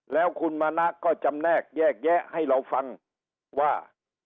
แล้วคุณมณะก็จำแนกแยกแยะให้เราฟังว่า